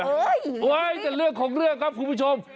เฮ้ยแต่เรื่องของเรื่องครับคุณผู้ชม